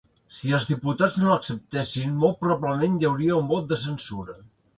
Si els diputats no l’acceptessin, molt probablement hi hauria un vot de censura.